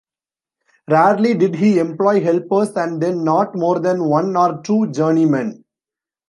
Rarely did he employ helpers and then not more than one or two journeymen.